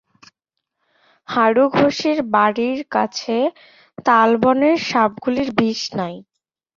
হারু ঘোষের বাড়ির কাছে তালবনের সাপগুলির বিষ নাই।